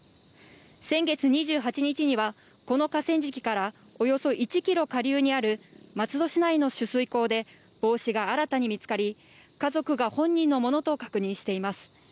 先月２８日は、この河川敷からおよそ１キロ下流にある松戸市内の取水口で、帽子が新たに見つかり、家族が本人のものと確認しています。